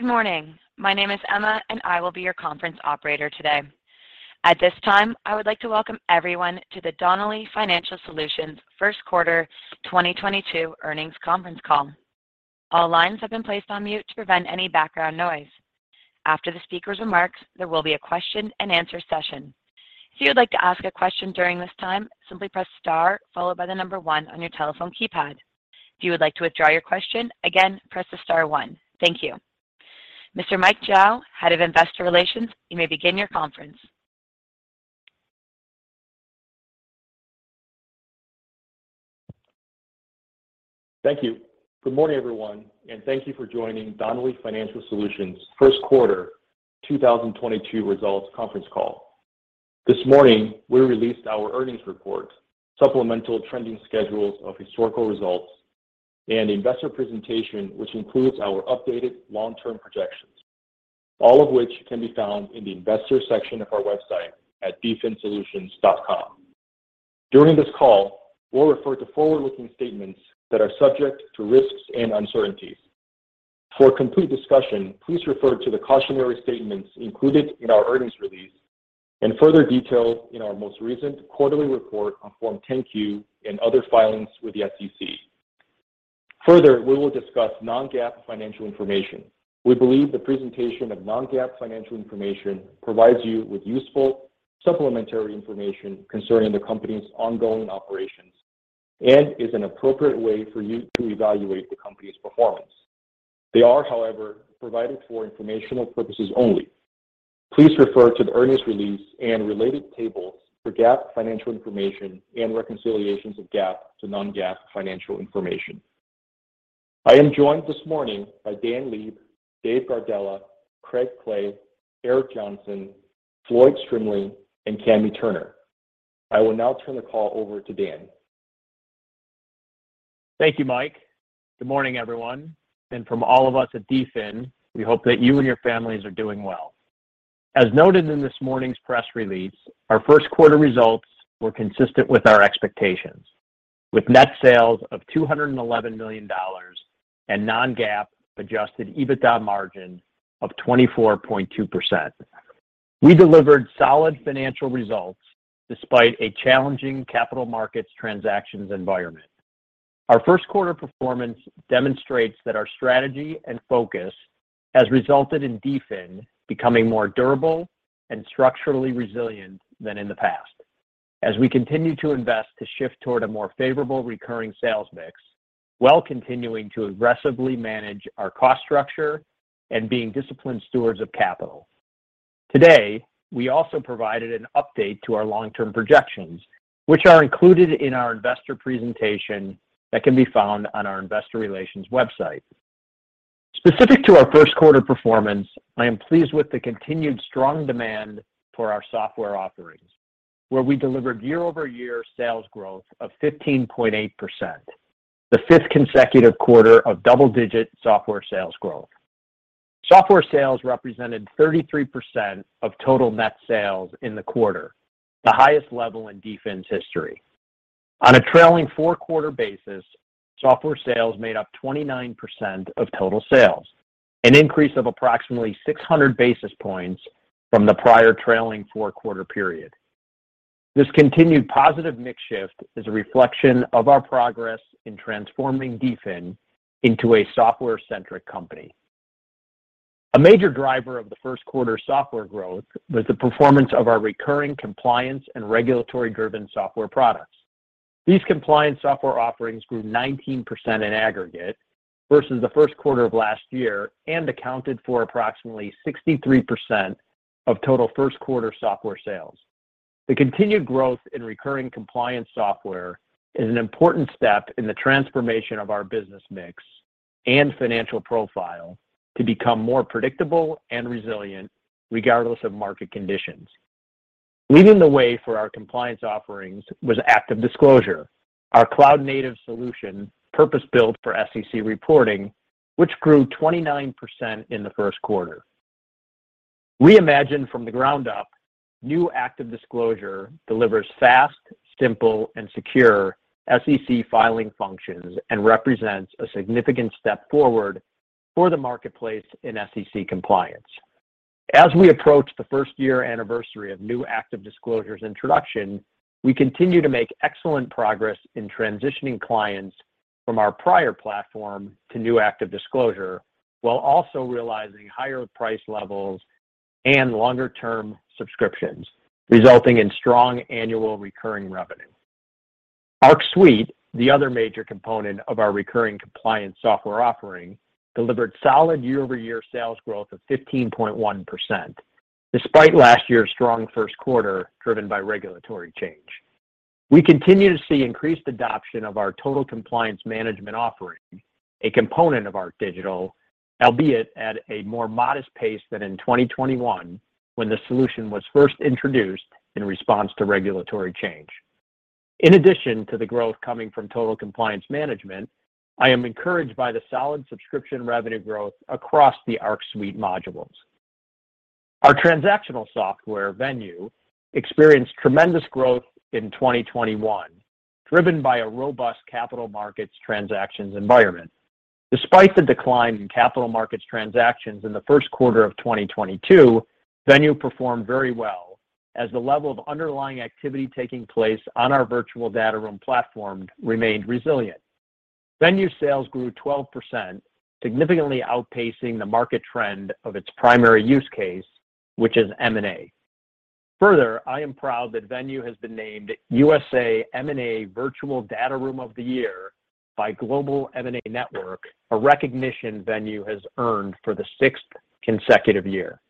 Good morning. My name is Emma, and I will be your conference operator today. At this time, I would like to welcome everyone to the Donnelley Financial Solutions First Quarter 2022 Results Conference Call. All lines have been placed on mute to prevent any background noise. After the speaker's remarks, there will be a question-and-answer session. If you would like to ask a question during this time, simply press star followed by the number one on your telephone keypad. If you would like to withdraw your question, again, press the star one. Thank you. Mr. Michael Zhao, Head of Investor Relations, you may begin your conference. Thank you. Good morning, everyone, and thank you for joining Donnelley Financial Solutions First Quarter 2022 Results Conference Call. This morning, we released our earnings report, supplemental trending schedules of historical results, and investor presentation, which includes our updated long-term projections, all of which can be found in the Investors section of our website at dfinsolutions.com. During this call, we'll refer to forward-looking statements that are subject to risks and uncertainties. For a complete discussion, please refer to the cautionary statements included in our earnings release and further detailed in our most recent quarterly report on Form 10-Q and other filings with the SEC. Further, we will discuss non-GAAP financial information. We believe the presentation of non-GAAP financial information provides you with useful supplementary information concerning the company's ongoing operations and is an appropriate way for you to evaluate the company's performance. They are, however, provided for informational purposes only. Please refer to the earnings release and related tables for GAAP financial information and reconciliations of GAAP to non-GAAP financial information. I am joined this morning by Dan Leib, Dave Gardella, Craig Clay, Eric Johnson, Floyd Strimling, and Cammy Turner. I will now turn the call over to Dan. Thank you, Mike. Good morning, everyone, and from all of us at DFIN, we hope that you and your families are doing well. As noted in this morning's press release, our first quarter results were consistent with our expectations, with net sales of $211 million and non-GAAP Adjusted EBITDA margin of 24.2%. We delivered solid financial results despite a challenging capital markets transactions environment. Our first quarter performance demonstrates that our strategy and focus has resulted in DFIN becoming more durable and structurally resilient than in the past. As we continue to invest to shift toward a more favorable recurring sales mix while continuing to aggressively manage our cost structure and being disciplined stewards of capital. Today, we also provided an update to our long-term projections, which are included in our investor presentation that can be found on our investor relations website. Specific to our first quarter performance, I am pleased with the continued strong demand for our software offerings, where we delivered year-over-year sales growth of 15.8%, the fifth consecutive quarter of double-digit software sales growth. Software sales represented 33% of total net sales in the quarter, the highest level in DFIN's history. On a trailing four-quarter basis, software sales made up 29% of total sales, an increase of approximately 600 basis points from the prior trailing four-quarter period. This continued positive mix shift is a reflection of our progress in transforming DFIN into a software-centric company. A major driver of the first quarter software growth was the performance of our recurring compliance and regulatory-driven software products. These compliance software offerings grew 19% in aggregate versus the first quarter of last year and accounted for approximately 63% of total first quarter software sales. The continued growth in recurring compliance software is an important step in the transformation of our business mix and financial profile to become more predictable and resilient regardless of market conditions. Leading the way for our compliance offerings was ActiveDisclosure, our cloud-native solution purpose-built for SEC reporting, which grew 29% in the first quarter. Reimagined from the ground up, new ActiveDisclosure delivers fast, simple, and secure SEC filing functions and represents a significant step forward for the marketplace in SEC compliance. As we approach the first year anniversary of new ActiveDisclosure's introduction, we continue to make excellent progress in transitioning clients from our prior platform to new ActiveDisclosure while also realizing higher price levels and longer-term subscriptions, resulting in strong annual recurring revenue. Arc Suite, the other major component of our recurring compliance software offering, delivered solid year-over-year sales growth of 15.1% despite last year's strong first quarter driven by regulatory change. We continue to see increased adoption of our Total Compliance Management offering, a component of ArcDigital, albeit at a more modest pace than in 2021 when the solution was first introduced in response to regulatory change. In addition to the growth coming from Total Compliance Management, I am encouraged by the solid subscription revenue growth across the Arc Suite modules. Our transactional software Venue experienced tremendous growth in 2021, driven by a robust capital markets transactions environment. Despite the decline in capital markets transactions in the first quarter of 2022, Venue performed very well as the level of underlying activity taking place on our virtual data room platform remained resilient. Venue sales grew 12%, significantly outpacing the market trend of its primary use case, which is M&A. Further, I am proud that Venue has been named USA M&A Virtual Data Room of the Year by Global M&A Network, a recognition Venue has earned for the sixth consecutive year.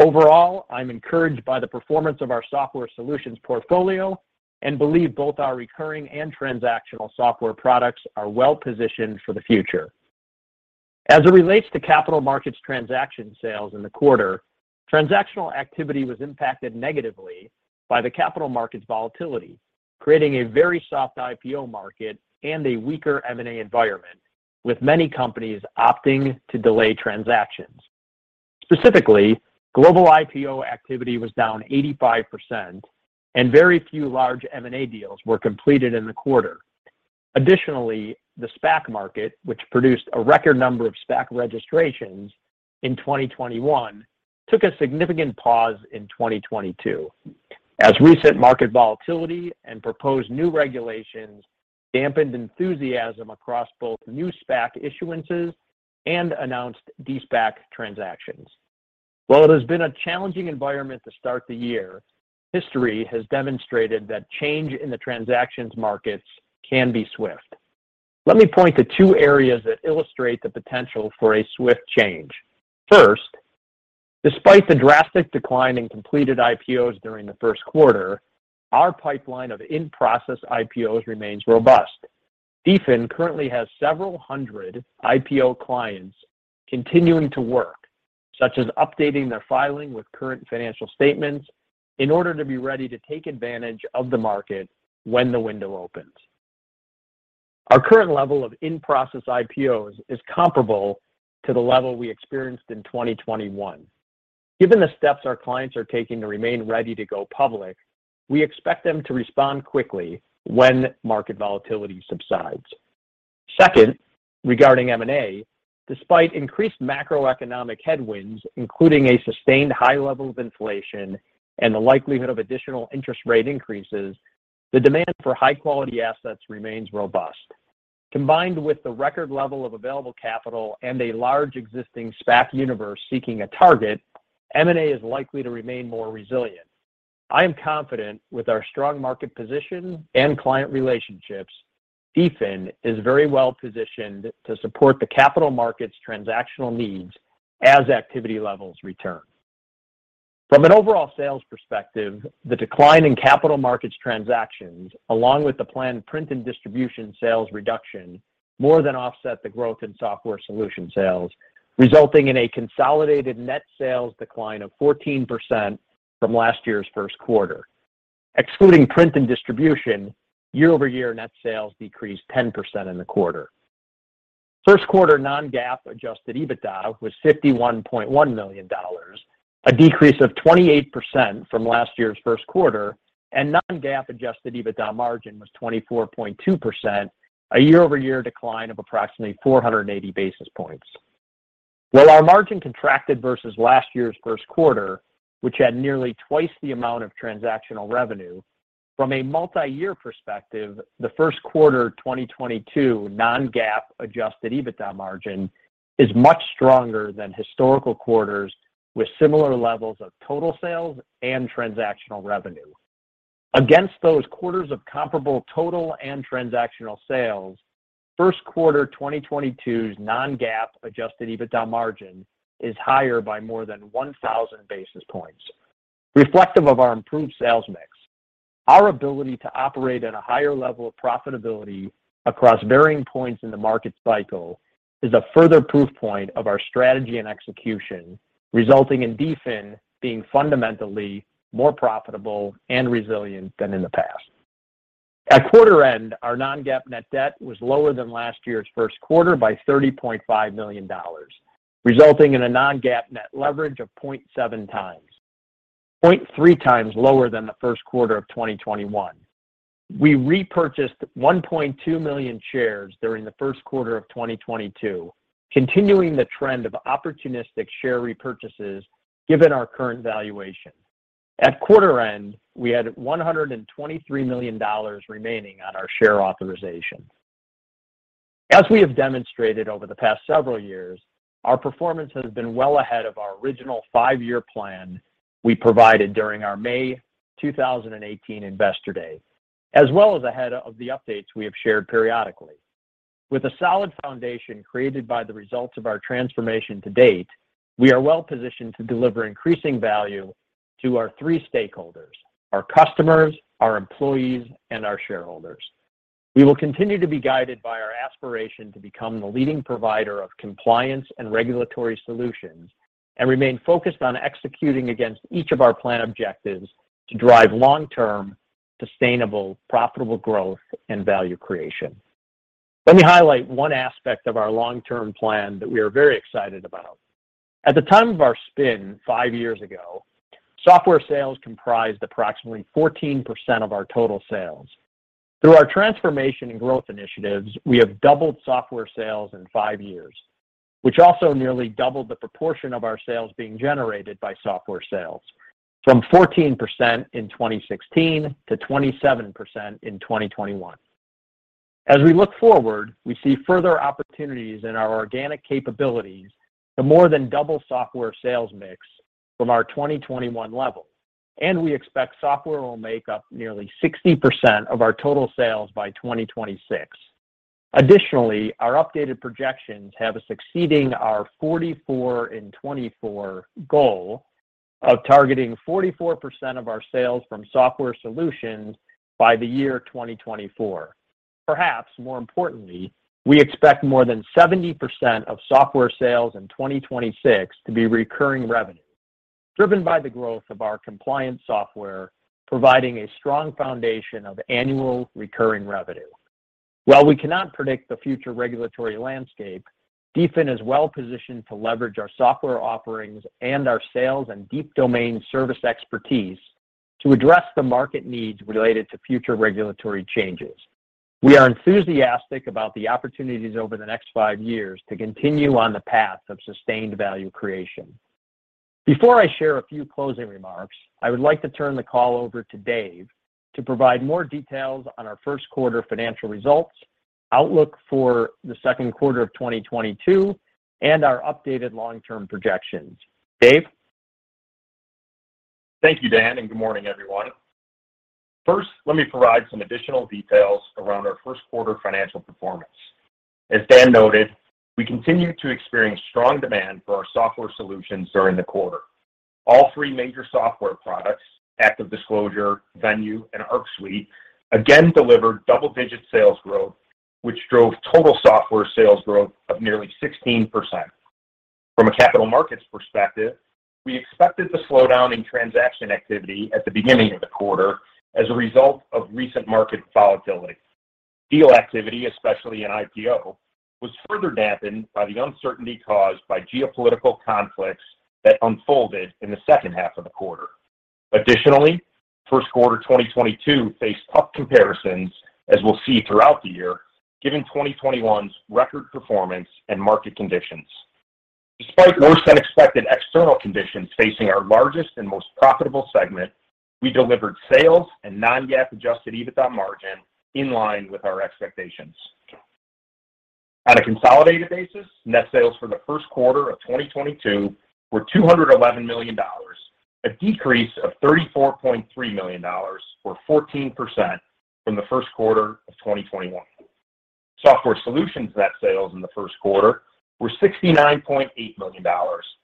Overall, I'm encouraged by the performance of our software solutions portfolio and believe both our recurring and transactional software products are well-positioned for the future. As it relates to capital markets transaction sales in the quarter, transactional activity was impacted negatively by the capital markets volatility, creating a very soft IPO market and a weaker M&A environment, with many companies opting to delay transactions. Specifically, global IPO activity was down 85%, and very few large M&A deals were completed in the quarter. Additionally, the SPAC market, which produced a record number of SPAC registrations in 2021, took a significant pause in 2022 as recent market volatility and proposed new regulations dampened enthusiasm across both new SPAC issuances and announced de-SPAC transactions. While it has been a challenging environment to start the year, history has demonstrated that change in the transactions markets can be swift. Let me point to two areas that illustrate the potential for a swift change. First, despite the drastic decline in completed IPOs during the first quarter, our pipeline of in-process IPOs remains robust. DFIN currently has several hundred IPO clients continuing to work, such as updating their filing with current financial statements in order to be ready to take advantage of the market when the window opens. Our current level of in-process IPOs is comparable to the level we experienced in 2021. Given the steps our clients are taking to remain ready to go public, we expect them to respond quickly when market volatility subsides. Second, regarding M&A, despite increased macroeconomic headwinds, including a sustained high level of inflation and the likelihood of additional interest rate increases, the demand for high-quality assets remains robust. Combined with the record level of available capital and a large existing SPAC universe seeking a target, M&A is likely to remain more resilient. I am confident with our strong market position and client relationships, DFIN is very well-positioned to support the capital markets transactional needs as activity levels return. From an overall sales perspective, the decline in capital markets transactions, along with the planned print and distribution sales reduction, more than offset the growth in Software Solution sales, resulting in a consolidated net sales decline of 14% from last year's first quarter. Excluding print and distribution, year-over-year net sales decreased 10% in the quarter. First quarter non-GAAP Adjusted EBITDA was $51.1 million, a decrease of 28% from last year's first quarter, and non-GAAP Adjusted EBITDA margin was 24.2%, a year-over-year decline of approximately 480 basis points. While our margin contracted versus last year's first quarter, which had nearly twice the amount of transactional revenue, from a multi-year perspective, the first quarter 2022 non-GAAP Adjusted EBITDA margin is much stronger than historical quarters with similar levels of total sales and transactional revenue. Against those quarters of comparable total and transactional sales, first quarter 2022's non-GAAP Adjusted EBITDA margin is higher by more than 1,000 basis points, reflective of our improved sales mix. Our ability to operate at a higher level of profitability across varying points in the market cycle is a further proof point of our strategy and execution, resulting in DFIN being fundamentally more profitable and resilient than in the past. At quarter end, our Non-GAAP net debt was lower than last year's first quarter by $30.5 million, resulting in a Non-GAAP net leverage of 0.7x, 0.3x lower than the first quarter of 2021. We repurchased 1.2 million shares during the first quarter of 2022, continuing the trend of opportunistic share repurchases given our current valuation. At quarter end, we had $123 million remaining on our share authorization. As we have demonstrated over the past several years, our performance has been well ahead of our original five-year plan we provided during our May 2018 Investor Day, as well as ahead of the updates we have shared periodically. With a solid foundation created by the results of our transformation to date, we are well positioned to deliver increasing value to our three stakeholders, our customers, our employees, and our shareholders. We will continue to be guided by our aspiration to become the leading provider of compliance and regulatory solutions and remain focused on executing against each of our plan objectives to drive long-term, sustainable, profitable growth and value creation. Let me highlight one aspect of our long-term plan that we are very excited about. At the time of our spin five years ago, software sales comprised approximately 14% of our total sales. Through our transformation and growth initiatives, we have doubled software sales in five years, which also nearly doubled the proportion of our sales being generated by software sales from 14% in 2016 to 27% in 2021. As we look forward, we see further opportunities in our organic capabilities to more than double software sales mix from our 2021 level, and we expect software will make up nearly 60% of our total sales by 2026. Additionally, our updated projections have us exceeding our 44 in '24 goal of targeting 44% of our sales from Software Solutions by the year 2024. Perhaps more importantly, we expect more than 70% of software sales in 2026 to be recurring revenue, driven by the growth of our compliance software, providing a strong foundation of annual recurring revenue. While we cannot predict the future regulatory landscape, DFIN is well-positioned to leverage our software offerings and our sales and deep domain service expertise to address the market needs related to future regulatory changes. We are enthusiastic about the opportunities over the next five years to continue on the path of sustained value creation. Before I share a few closing remarks, I would like to turn the call over to Dave to provide more details on our first quarter financial results, outlook for the second quarter of 2022, and our updated long-term projections. Dave? Thank you, Dan, and good morning, everyone. First, let me provide some additional details around our first quarter financial performance. As Dan noted, we continued to experience strong demand for our Software Solutions during the quarter. All three major software products, ActiveDisclosure, Venue, and Arc Suite, again delivered double-digit sales growth, which drove total software sales growth of nearly 16%. From a capital markets perspective, we expected the slowdown in transaction activity at the beginning of the quarter as a result of recent market volatility. Deal activity, especially in IPO, was further dampened by the uncertainty caused by geopolitical conflicts that unfolded in the second half of the quarter. Additionally, first quarter 2022 faced tough comparisons, as we'll see throughout the year, given 2021's record performance and market conditions. Despite worse-than-expected external conditions facing our largest and most profitable segment, we delivered sales and non-GAAP Adjusted EBITDA margin in line with our expectations. On a consolidated basis, net sales for the first quarter of 2022 were $211 million, a decrease of $34.3 million, or 14%, from the first quarter of 2021. Software Solutions net sales in the first quarter were $69.8 million,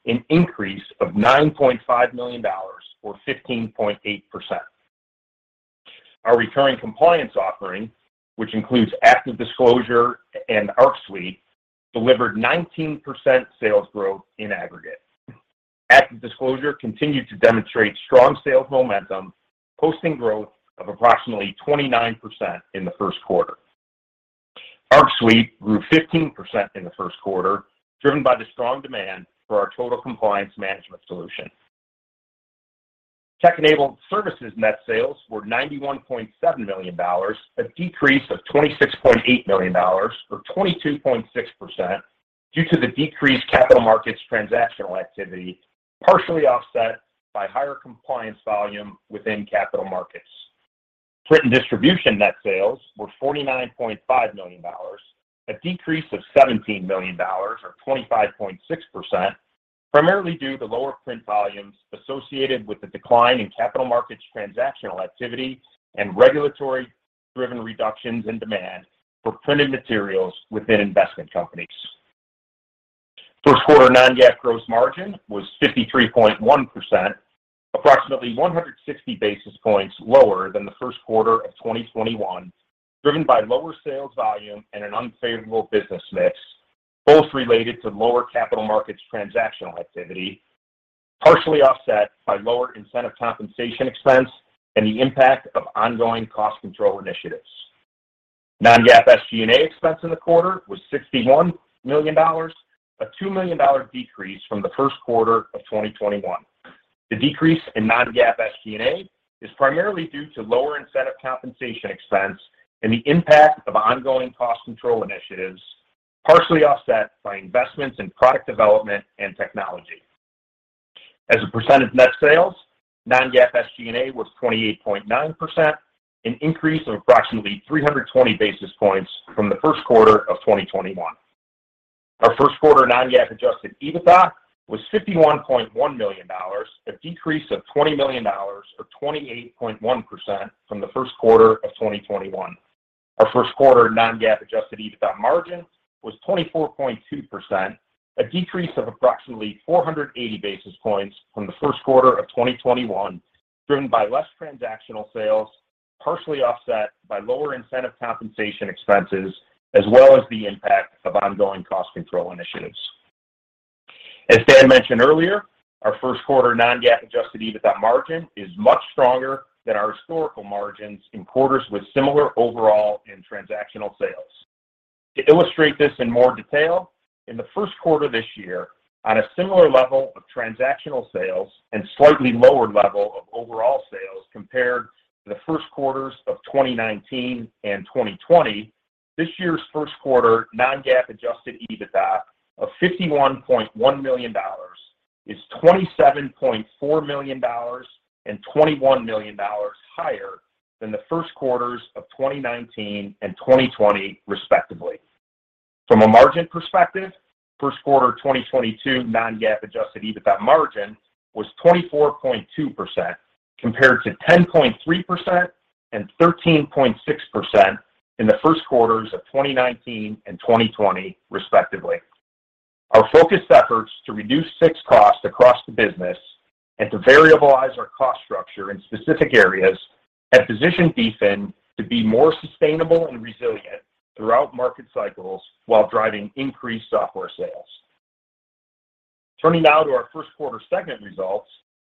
an increase of $9.5 million, or 15.8%. Our recurring compliance offering, which includes ActiveDisclosure and Arc Suite, delivered 19% sales growth in aggregate. ActiveDisclosure continued to demonstrate strong sales momentum, posting growth of approximately 29% in the first quarter. Arc Suite grew 15% in the first quarter, driven by the strong demand for our Total Compliance Management solution. Tech-enabled services net sales were $91.7 million, a decrease of $26.8 million, or 22.6%, due to the decreased capital markets transactional activity, partially offset by higher compliance volume within capital markets. Print and distribution net sales were $49.5 million, a decrease of $17 million, or 25.6%, primarily due to lower print volumes associated with the decline in capital markets transactional activity and regulatory-driven reductions in demand for printed materials within investment companies. First quarter non-GAAP gross margin was 53.1%, approximately 160 basis points lower than the first quarter of 2021, driven by lower sales volume and an unfavorable business mix, both related to lower capital markets transactional activity, partially offset by lower incentive compensation expense and the impact of ongoing cost control initiatives. Non-GAAP SG&A expense in the quarter was $61 million, a $2 million decrease from the first quarter of 2021. The decrease in non-GAAP SG&A is primarily due to lower incentive compensation expense and the impact of ongoing cost control initiatives, partially offset by investments in product development and technology. As a percent of net sales, non-GAAP SG&A was 28.9%, an increase of approximately 320 basis points from the first quarter of 2021. Our first quarter non-GAAP Adjusted EBITDA was $51.1 million, a decrease of $20 million or 28.1% from the first quarter of 2021. Our first quarter non-GAAP Adjusted EBITDA margin was 24.2%, a decrease of approximately 480 basis points from the first quarter of 2021, driven by less transactional sales, partially offset by lower incentive compensation expenses, as well as the impact of ongoing cost control initiatives. As Dan mentioned earlier, our first quarter non-GAAP Adjusted EBITDA margin is much stronger than our historical margins in quarters with similar overall and transactional sales. To illustrate this in more detail, in the first quarter this year, on a similar level of transactional sales and slightly lower level of overall sales compared to the first quarters of 2019 and 2020, this year's first quarter non-GAAP Adjusted EBITDA of $51.1 million is $27.4 million and $21 million higher than the first quarters of 2019 and 2020, respectively. From a margin perspective, first quarter 2022 non-GAAP Adjusted EBITDA margin was 24.2% compared to 10.3% and 13.6% in the first quarters of 2019 and 2020, respectively. Our focused efforts to reduce fixed costs across the business and to variabilize our cost structure in specific areas have positioned DFIN to be more sustainable and resilient throughout market cycles while driving increased software sales. Turning now to our first quarter segment results,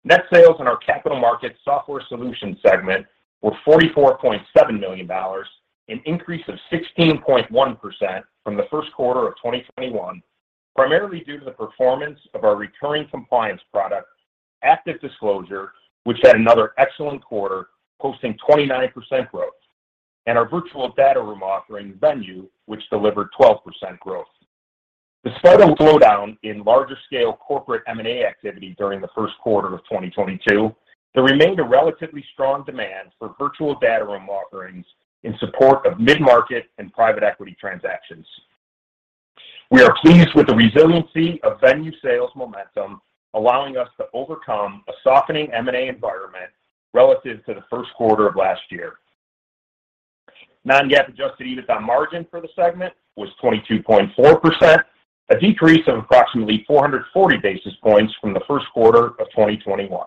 net sales in our capital markets Software Solution segment were $44.7 million, an increase of 16.1% from the first quarter of 2021, primarily due to the performance of our recurring compliance product, ActiveDisclosure, which had another excellent quarter hosting 29% growth, and our virtual data room offering Venue, which delivered 12% growth. Despite a slowdown in larger scale corporate M&A activity during the first quarter of 2022, there remained a relatively strong demand for virtual data room offerings in support of mid-market and private equity transactions. We are pleased with the resiliency of Venue sales momentum, allowing us to overcome a softening M&A environment relative to the first quarter of last year. Non-GAAP Adjusted EBITDA margin for the segment was 22.4%, a decrease of approximately 440 basis points from the first quarter of 2021.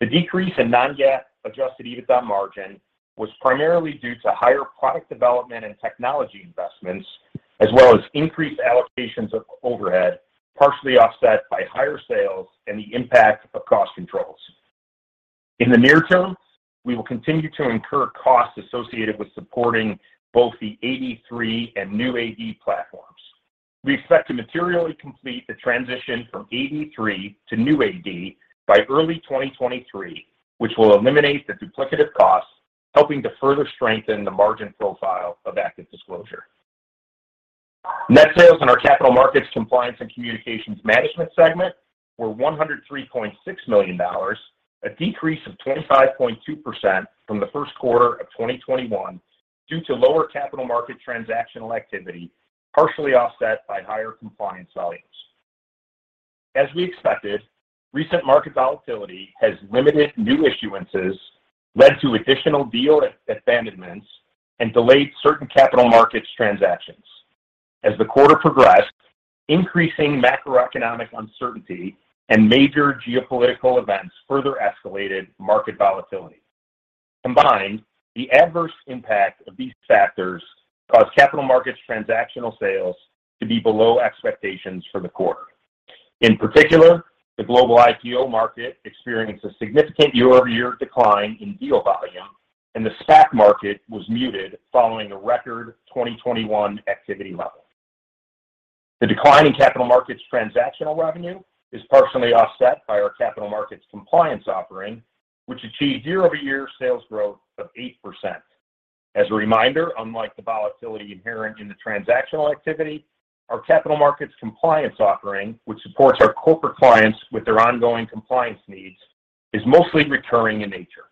The decrease in non-GAAP Adjusted EBITDA margin was primarily due to higher product development and technology investments, as well as increased allocations of overhead, partially offset by higher sales and the impact of cost controls. In the near term, we will continue to incur costs associated with supporting both the AD3 and new AD platforms. We expect to materially complete the transition from AD3 to new AD by early 2023, which will eliminate the duplicative costs, helping to further strengthen the margin profile of ActiveDisclosure. Net sales in our Capital Markets-Compliance and Communications Management segment were $103.6 million, a decrease of 25.2% from the first quarter of 2021 due to lower capital market transactional activity, partially offset by higher compliance volumes. As we expected, recent market volatility has limited new issuances, led to additional deal abandonments, and delayed certain capital markets transactions. As the quarter progressed, increasing macroeconomic uncertainty and major geopolitical events further escalated market volatility. Combined, the adverse impact of these factors caused capital markets transactional sales to be below expectations for the quarter. In particular, the global IPO market experienced a significant year-over-year decline in deal volume, and the SPAC market was muted following a record 2021 activity level. The decline in capital markets transactional revenue is partially offset by our Capital Markets Compliance offering, which achieved year-over-year sales growth of 8%. As a reminder, unlike the volatility inherent in the transactional activity, our Capital Markets-Compliance offering, which supports our corporate clients with their ongoing compliance needs, is mostly recurring in nature.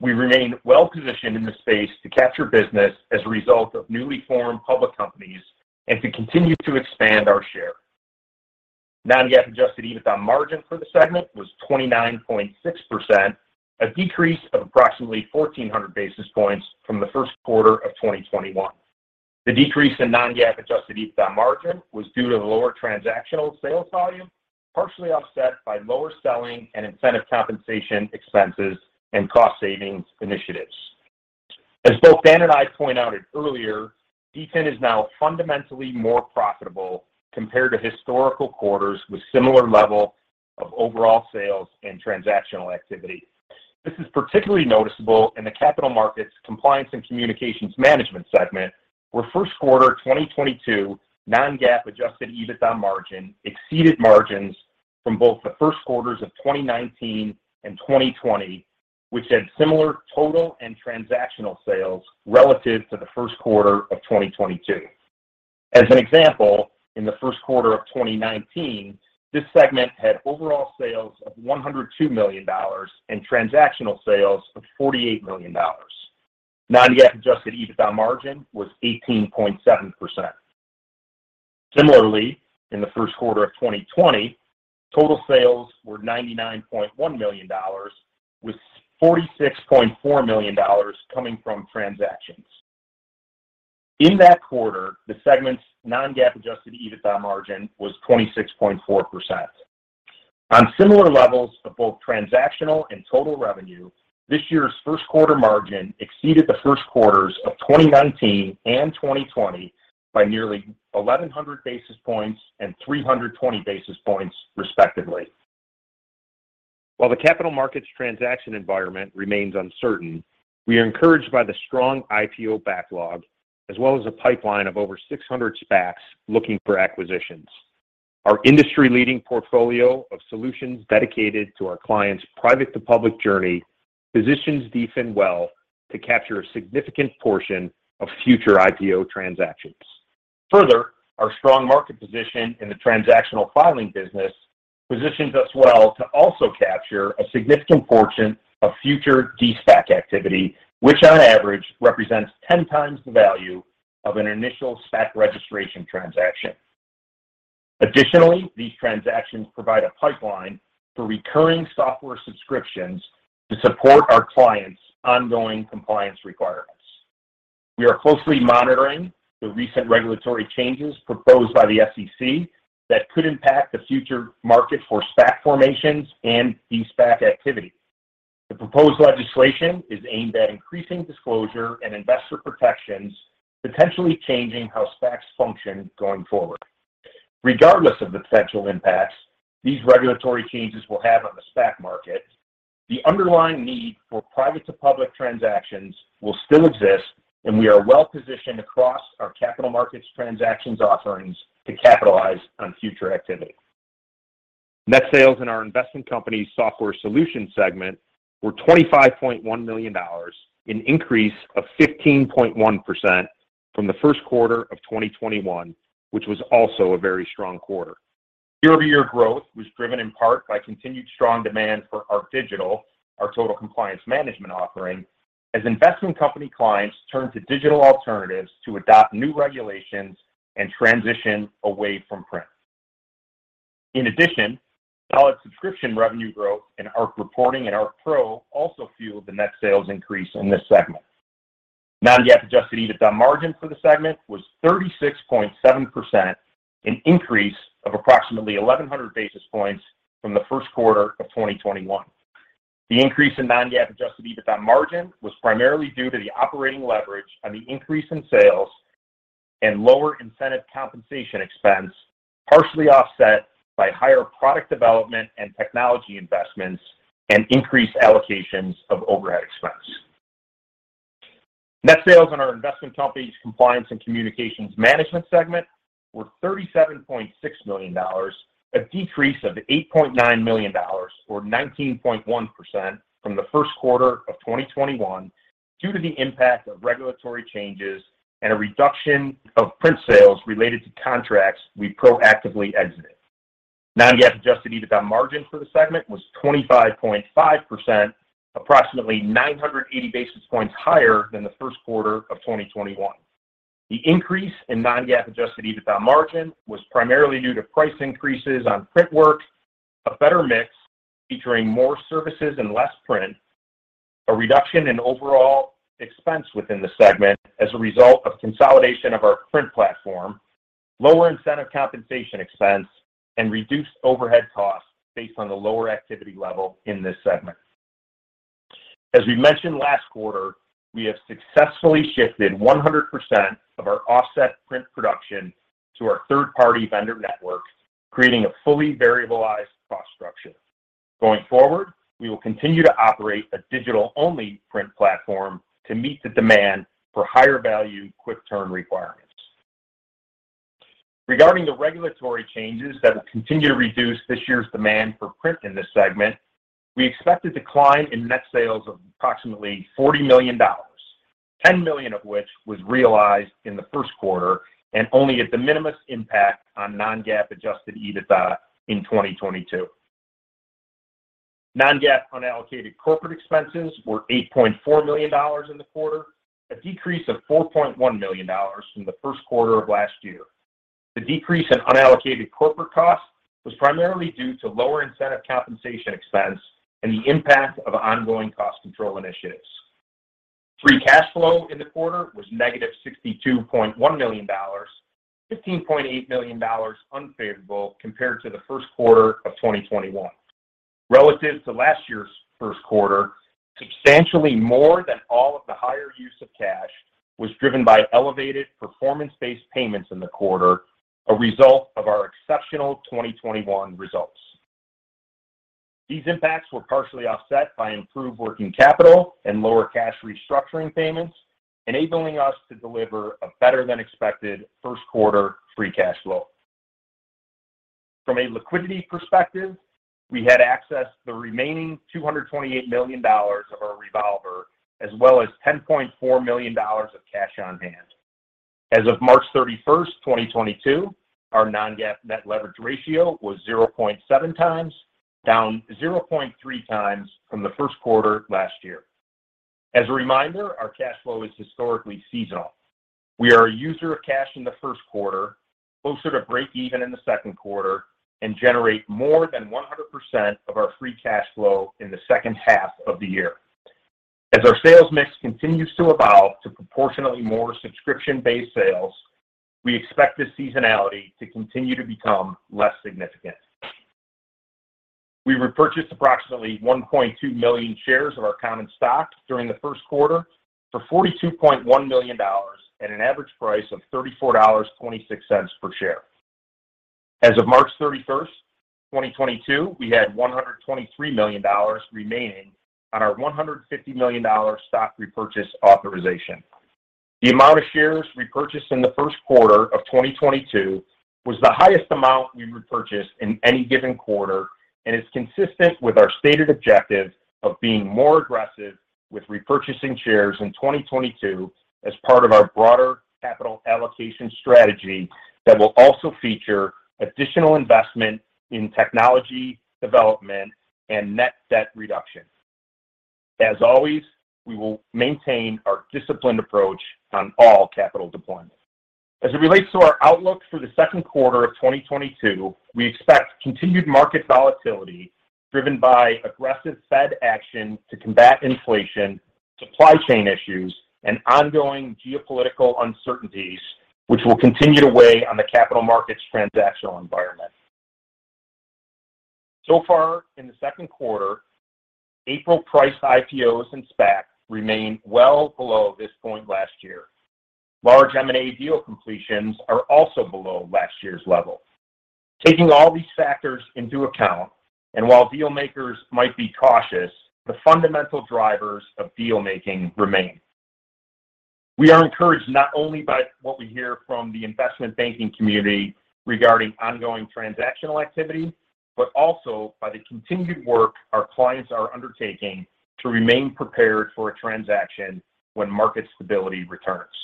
We remain well-positioned in the space to capture business as a result of newly formed public companies and to continue to expand our share. Non-GAAP Adjusted EBITDA margin for the segment was 29.6%, a decrease of approximately 1,400 basis points from the first quarter of 2021. The decrease in non-GAAP Adjusted EBITDA margin was due to lower transactional sales volume, partially offset by lower selling and incentive compensation expenses and cost savings initiatives. As both Dan and I pointed out earlier, DFIN is now fundamentally more profitable compared to historical quarters with similar level of overall sales and transactional activity. This is particularly noticeable in the Capital Markets-Compliance and Communications Management segment, where first quarter 2022 non-GAAP Adjusted EBITDA margin exceeded margins from both the first quarters of 2019 and 2020, which had similar total and transactional sales relative to the first quarter of 2022. As an example, in the first quarter of 2019, this segment had overall sales of $102 million and transactional sales of $48 million. Non-GAAP Adjusted EBITDA margin was 18.7%. Similarly, in the first quarter of 2020, total sales were $99.1 million, with $46.4 million coming from transactions. In that quarter, the segment's non-GAAP Adjusted EBITDA margin was 26.4%. On similar levels of both transactional and total revenue, this year's first quarter margin exceeded the first quarters of 2019 and 2020 by nearly 1,100 basis points and 320 basis points respectively. While the capital markets transaction environment remains uncertain, we are encouraged by the strong IPO backlog as well as a pipeline of over 600 SPACs looking for acquisitions. Our industry-leading portfolio of solutions dedicated to our clients' private to public journey positions DFIN well to capture a significant portion of future IPO transactions. Further, our strong market position in the transactional filing business positions us well to also capture a significant portion of future de-SPAC activity, which on average represents 10x the value of an initial SPAC registration transaction. Additionally, these transactions provide a pipeline for recurring software subscriptions to support our clients' ongoing compliance requirements. We are closely monitoring the recent regulatory changes proposed by the SEC that could impact the future market for SPAC formations and de-SPAC activity. The proposed legislation is aimed at increasing disclosure and investor protections, potentially changing how SPACs function going forward. Regardless of the potential impacts these regulatory changes will have on the SPAC market, the underlying need for private to public transactions will still exist, and we are well-positioned across our capital markets transactions offerings to capitalize on future activity. Net sales in our investment company's Software Solution segment were $25.1 million, an increase of 15.1% from the first quarter of 2021, which was also a very strong quarter. Year-over-year growth was driven in part by continued strong demand for ArcDigital, our total compliance management offering, as investment company clients turn to digital alternatives to adopt new regulations and transition away from print. In addition, solid subscription revenue growth in ArcReporting and ArcPro also fueled the net sales increase in this segment. Non-GAAP Adjusted EBITDA margin for the segment was 36.7%, an increase of approximately 1,100 basis points from the first quarter of 2021. The increase in non-GAAP Adjusted EBITDA margin was primarily due to the operating leverage on the increase in sales and lower incentive compensation expense, partially offset by higher product development and technology investments and increased allocations of overhead expense. Net sales in our Investment Companies Compliance and Communications Management segment were $37.6 million, a decrease of $8.9 million or 19.1% from the first quarter of 2021 due to the impact of regulatory changes and a reduction of print sales related to contracts we proactively exited. Non-GAAP Adjusted EBITDA margin for the segment was 25.5%, approximately 980 basis points higher than the first quarter of 2021. The increase in non-GAAP Adjusted EBITDA margin was primarily due to price increases on print work, a better mix featuring more services and less print, a reduction in overall expense within the segment as a result of consolidation of our print platform, lower incentive compensation expense, and reduced overhead costs based on the lower activity level in this segment. As we mentioned last quarter, we have successfully shifted 100% of our offset print production to our third-party vendor network, creating a fully variabilized cost structure. Going forward, we will continue to operate a digital-only print platform to meet the demand for higher value, quick turn requirements. Regarding the regulatory changes that will continue to reduce this year's demand for print in this segment, we expect a decline in net sales of approximately $40 million, $10 million of which was realized in the first quarter and only a minimal impact on non-GAAP Adjusted EBITDA in 2022. Non-GAAP unallocated corporate expenses were $8.4 million in the quarter, a decrease of $4.1 million from the first quarter of last year. The decrease in unallocated corporate costs was primarily due to lower incentive compensation expense and the impact of ongoing cost control initiatives. Free cash flow in the quarter was negative $62.1 million, $15.8 million unfavorable compared to the first quarter of 2021. Relative to last year's first quarter, substantially more than all of the higher use of cash was driven by elevated performance-based payments in the quarter, a result of our exceptional 2021 results. These impacts were partially offset by improved working capital and lower cash restructuring payments, enabling us to deliver a better than expected first quarter free cash flow. From a liquidity perspective, we had accessed the remaining $228 million of our revolver as well as $10.4 million of cash on hand. As of March 31, 2022, our non-GAAP net leverage ratio was 0.7x, down 0.3x from the first quarter last year. As a reminder, our cash flow is historically seasonal. We are a user of cash in the first quarter, closer to breakeven in the second quarter, and generate more than 100% of our free cash flow in the second half of the year. As our sales mix continues to evolve to proportionately more subscription-based sales, we expect this seasonality to continue to become less significant. We repurchased approximately 1.2 million shares of our common stock during the first quarter for $42.1 million at an average price of $34.26 per share. As of March 31, 2022, we had $123 million remaining on our $150 million stock repurchase authorization. The amount of shares repurchased in the first quarter of 2022 was the highest amount we repurchased in any given quarter and is consistent with our stated objective of being more aggressive with repurchasing shares in 2022 as part of our broader capital allocation strategy that will also feature additional investment in technology development and net debt reduction. As always, we will maintain our disciplined approach on all capital deployments. As it relates to our outlook for the second quarter of 2022, we expect continued market volatility driven by aggressive Fed action to combat inflation, supply chain issues, and ongoing geopolitical uncertainties, which will continue to weigh on the capital markets transactional environment. So far in the second quarter, April-priced IPOs and SPACs remain well below this point last year. Large M&A deal completions are also below last year's level. Taking all these factors into account, while deal makers might be cautious, the fundamental drivers of deal making remain. We are encouraged not only by what we hear from the investment banking community regarding ongoing transactional activity, but also by the continued work our clients are undertaking to remain prepared for a transaction when market stability returns.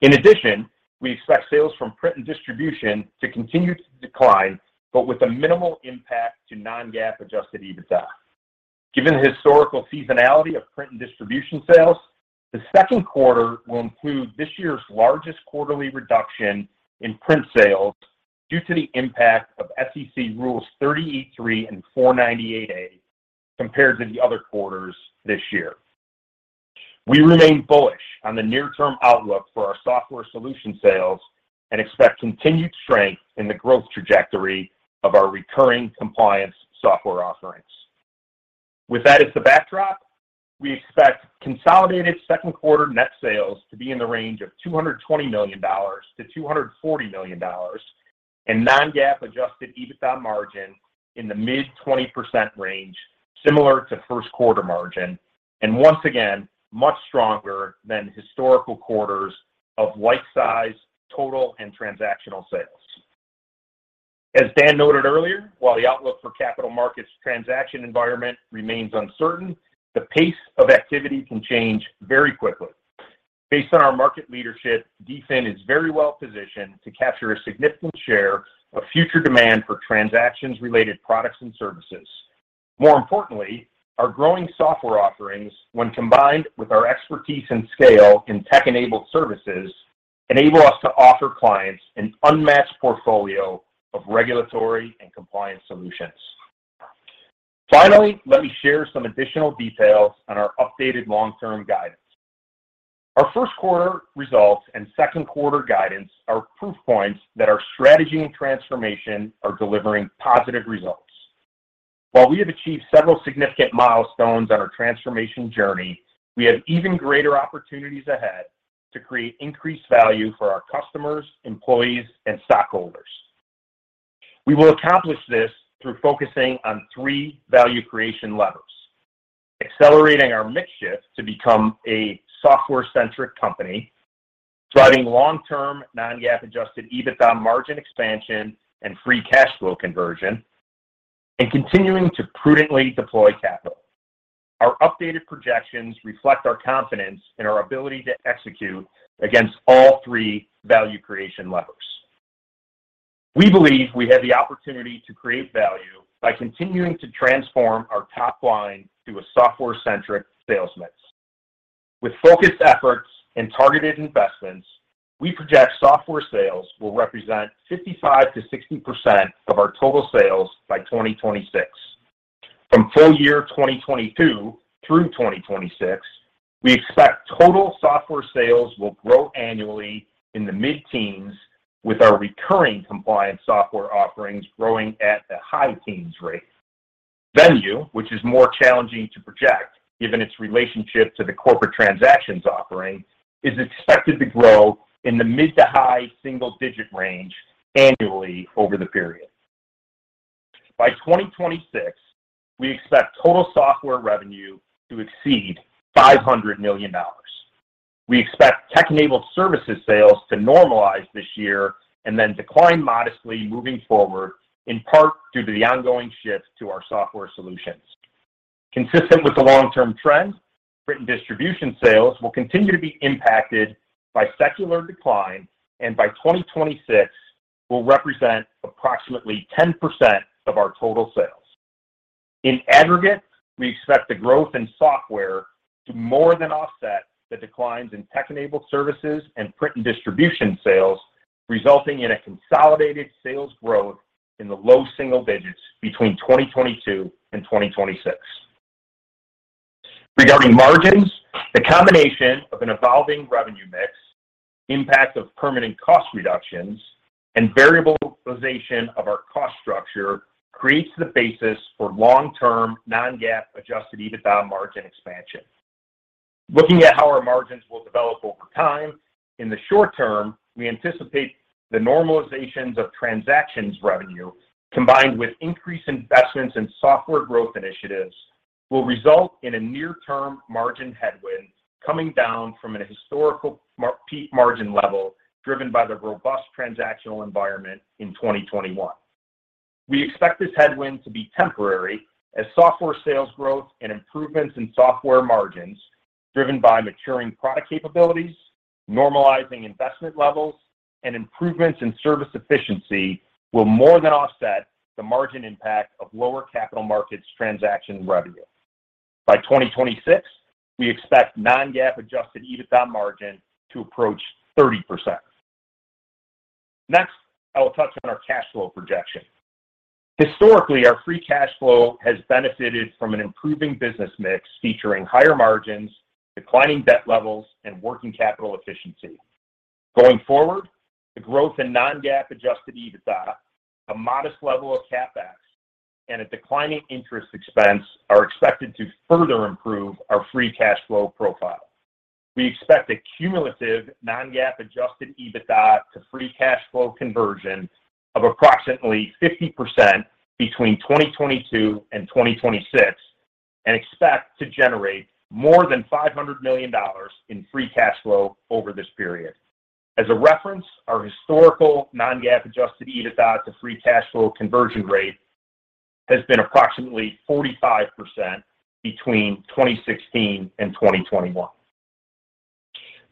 In addition, we expect sales from print and distribution to continue to decline, but with a minimal impact to non-GAAP Adjusted EBITDA. Given the historical seasonality of print and distribution sales, the second quarter will include this year's largest quarterly reduction in print sales due to the impact of SEC Rule 30e-3 and Rule 498 compared to the other quarters this year. We remain bullish on the near-term outlook for our Software Solution sales and expect continued strength in the growth trajectory of our recurring compliance software offerings. With that as the backdrop, we expect consolidated second quarter net sales to be in the range of $220 million-$240 million, and non-GAAP Adjusted EBITDA margin in the mid-20% range, similar to first quarter margin, and once again, much stronger than historical quarters of like size, total, and transactional sales. As Dan noted earlier, while the outlook for capital markets transaction environment remains uncertain, the pace of activity can change very quickly. Based on our market leadership, DFIN is very well-positioned to capture a significant share of future demand for transactions-related products and services. More importantly, our growing software offerings, when combined with our expertise and scale in tech-enabled services, enable us to offer clients an unmatched portfolio of regulatory and compliance solutions. Finally, let me share some additional details on our updated long-term guidance. Our first quarter results and second quarter guidance are proof points that our strategy and transformation are delivering positive results. While we have achieved several significant milestones on our transformation journey, we have even greater opportunities ahead to create increased value for our customers, employees, and stockholders. We will accomplish this through focusing on three value creation levers. Accelerating our mix shift to become a software-centric company, driving long-term non-GAAP Adjusted EBITDA margin expansion and free cash flow conversion, and continuing to prudently deploy capital. Our updated projections reflect our confidence in our ability to execute against all three value creation levers. We believe we have the opportunity to create value by continuing to transform our top line to a software-centric sales mix. With focused efforts and targeted investments, we project software sales will represent 55%-60% of our total sales by 2026. From full year 2022 through 2026, we expect total software sales will grow annually in the mid-teens with our recurring compliance software offerings growing at a high-teens rate. Venue, which is more challenging to project given its relationship to the corporate transactions offering, is expected to grow in the mid- to high-single-digit range annually over the period. By 2026, we expect total software revenue to exceed $500 million. We expect tech-enabled services sales to normalize this year and then decline modestly moving forward, in part due to the ongoing shift to our Software Solutions. Consistent with the long-term trend, print and distribution sales will continue to be impacted by secular decline and by 2026 will represent approximately 10% of our total sales. In aggregate, we expect the growth in software to more than offset the declines in tech-enabled services and print and distribution sales. Resulting in a consolidated sales growth in the low single digits between 2022 and 2026. Regarding margins, the combination of an evolving revenue mix, impact of permanent cost reductions, and variabilization of our cost structure creates the basis for long-term non-GAAP Adjusted EBITDA margin expansion. Looking at how our margins will develop over time, in the short term, we anticipate the normalizations of transactions revenue combined with increased investments in software growth initiatives will result in a near-term margin headwind coming down from a historical peak margin level driven by the robust transactional environment in 2021. We expect this headwind to be temporary as software sales growth and improvements in software margins driven by maturing product capabilities, normalizing investment levels, and improvements in service efficiency will more than offset the margin impact of lower capital markets transaction revenue. By 2026, we expect non-GAAP Adjusted EBITDA margin to approach 30%. Next, I will touch on our cash flow projection. Historically, our free cash flow has benefited from an improving business mix featuring higher margins, declining debt levels, and working capital efficiency. Going forward, the growth in non-GAAP Adjusted EBITDA, a modest level of CapEx, and a declining interest expense are expected to further improve our free cash flow profile. We expect a cumulative non-GAAP Adjusted EBITDA to free cash flow conversion of approximately 50% between 2022 and 2026 and expect to generate more than $500 million in free cash flow over this period. As a reference, our historical non-GAAP Adjusted EBITDA to free cash flow conversion rate has been approximately 45% between 2016 and 2021.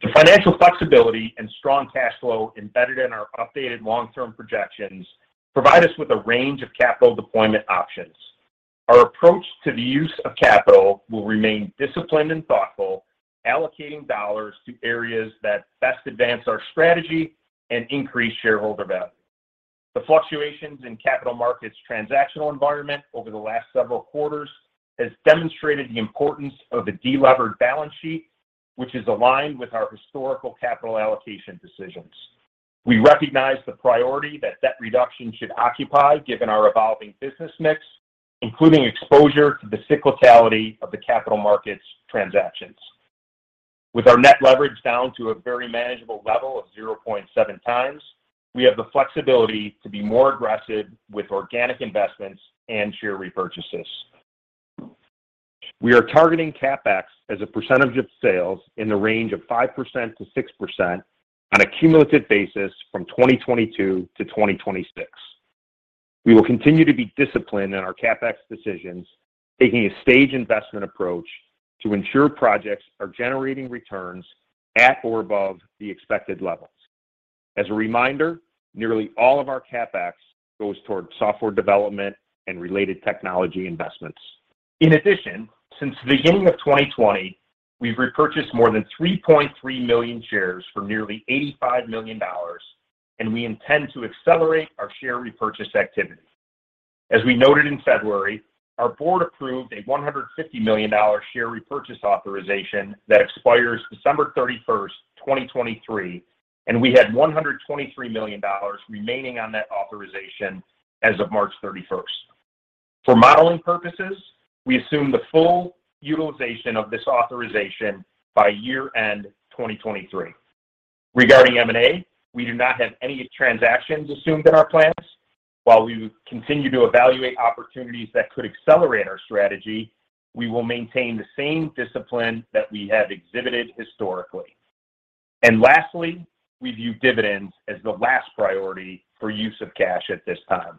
The financial flexibility and strong cash flow embedded in our updated long-term projections provide us with a range of capital deployment options. Our approach to the use of capital will remain disciplined and thoughtful, allocating dollars to areas that best advance our strategy and increase shareholder value. The fluctuations in capital markets transactional environment over the last several quarters has demonstrated the importance of a de-levered balance sheet, which is aligned with our historical capital allocation decisions. We recognize the priority that debt reduction should occupy given our evolving business mix, including exposure to the cyclicality of the capital markets transactions. With our net leverage down to a very manageable level of 0.7x, we have the flexibility to be more aggressive with organic investments and share repurchases. We are targeting CapEx as a percentage of sales in the range of 5%-6% on a cumulative basis from 2022 to 2026. We will continue to be disciplined in our CapEx decisions, taking a staged investment approach to ensure projects are generating returns at or above the expected levels. As a reminder, nearly all of our CapEx goes towards software development and related technology investments. In addition, since the beginning of 2020, we've repurchased more than 3.3 million shares for nearly $85 million, and we intend to accelerate our share repurchase activity. As we noted in February, our board approved a $150 million share repurchase authorization that expires December 31, 2023, and we had $123 million remaining on that authorization as of March 31. For modeling purposes, we assume the full utilization of this authorization by year-end 2023. Regarding M&A, we do not have any transactions assumed in our plans. While we continue to evaluate opportunities that could accelerate our strategy, we will maintain the same discipline that we have exhibited historically. Lastly, we view dividends as the last priority for use of cash at this time.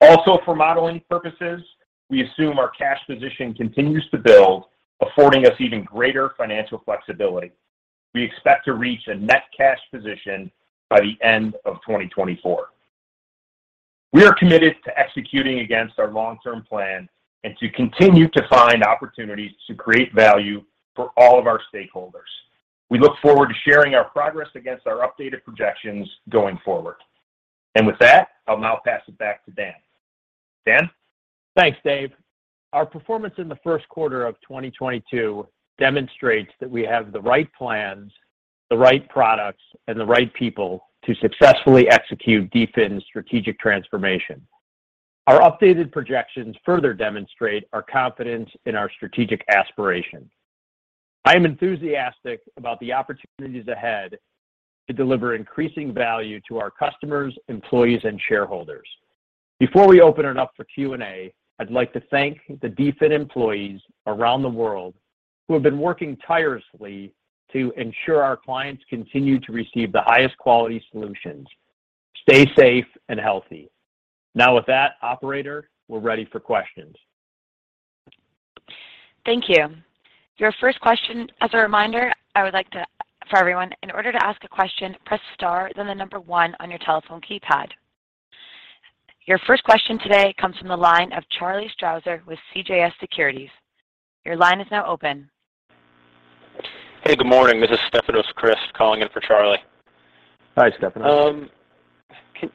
Also, for modeling purposes, we assume our cash position continues to build, affording us even greater financial flexibility. We expect to reach a net cash position by the end of 2024. We are committed to executing against our long-term plan and to continue to find opportunities to create value for all of our stakeholders. We look forward to sharing our progress against our updated projections going forward. With that, I'll now pass it back to Dan. Dan? Thanks, Dave. Our performance in the first quarter of 2022 demonstrates that we have the right plans, the right products, and the right people to successfully execute DFIN's strategic transformation. Our updated projections further demonstrate our confidence in our strategic aspiration. I am enthusiastic about the opportunities ahead to deliver increasing value to our customers, employees, and shareholders. Before we open it up for Q&A, I'd like to thank the DFIN employees around the world who have been working tirelessly to ensure our clients continue to receive the highest quality solutions. Stay safe and healthy. Now with that, operator, we're ready for questions. Thank you. Your first question. As a reminder, I would like to, for everyone, in order to ask a question, press star, then the number one on your telephone keypad. Your first question today comes from the line of Charles Strauzer with CJS Securities. Your line is now open. Hey, good morning. This is Stefanos Crist calling in for Charlie. Hi, Stefanos.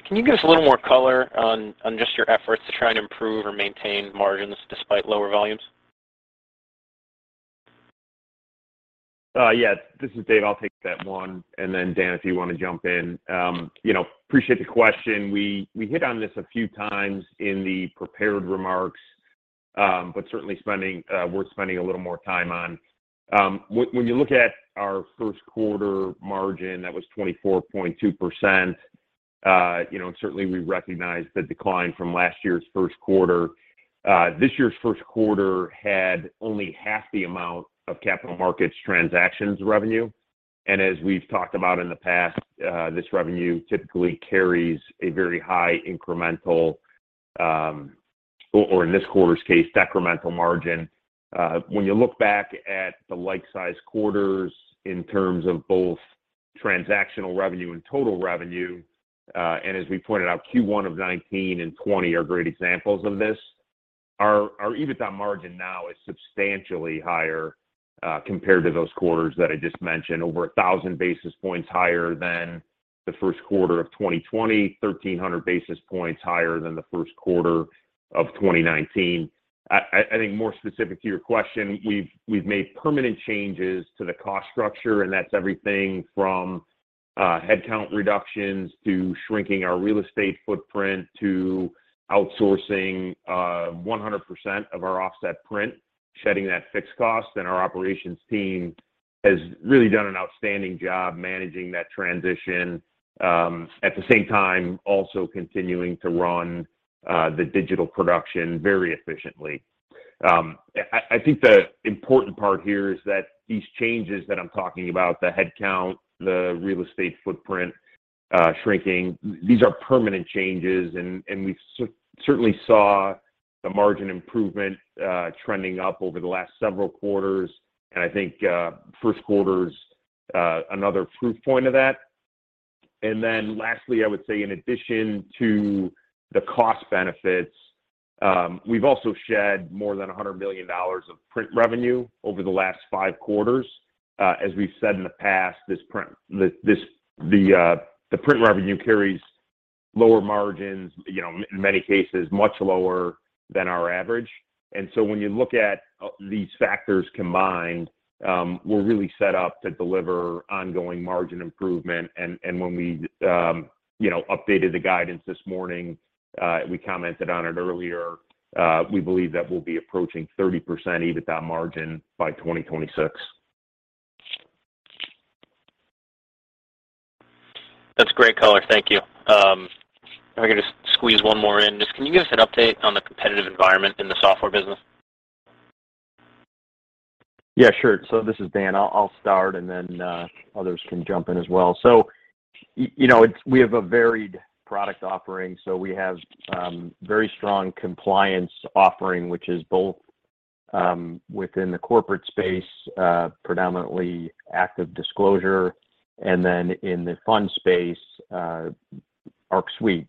Can you give us a little more color on just your efforts to try and improve or maintain margins despite lower volumes? This is Dave, I'll take that one, and then Dan, if you wanna jump in. You know, appreciate the question. We hit on this a few times in the prepared remarks, but certainly worth spending a little more time on. When you look at our first quarter margin, that was 24.2%. You know, and certainly we recognize the decline from last year's first quarter. This year's first quarter had only half the amount of capital markets transactions revenue. As we've talked about in the past, this revenue typically carries a very high incremental, or in this quarter's case, decremental margin. When you look back at the like size quarters in terms of both transactional revenue and total revenue, and as we pointed out, Q1 of 2019 and 2020 are great examples of this. Our EBITDA margin now is substantially higher compared to those quarters that I just mentioned. Over 1,000 basis points higher than the first quarter of 2020, 1,300 basis points higher than the first quarter of 2019. I think more specific to your question, we've made permanent changes to the cost structure, and that's everything from headcount reductions to shrinking our real estate footprint, to outsourcing 100% of our offset print, shedding that fixed cost. Our operations team has really done an outstanding job managing that transition, at the same time also continuing to run the digital production very efficiently. I think the important part here is that these changes that I'm talking about, the headcount, the real estate footprint, shrinking, these are permanent changes and we certainly saw the margin improvement trending up over the last several quarters. I think first quarter's another proof point of that. Then lastly, I would say in addition to the cost benefits, we've also shed more than $100 million of print revenue over the last five quarters. As we've said in the past, this print revenue carries lower margins, you know, in many cases much lower than our average. When you look at these factors combined, we're really set up to deliver ongoing margin improvement. When we, you know, updated the guidance this morning, we commented on it earlier. We believe that we'll be approaching 30% EBITDA margin by 2026. That's great color. Thank you. If I could just squeeze one more in. Just can you give us an update on the competitive environment in the software business? Yeah, sure. This is Dan. I'll start and then others can jump in as well. You know, it's we have a varied product offering. We have very strong compliance offering, which is both within the corporate space, predominantly ActiveDisclosure, and then in the fund space, Arc Suite.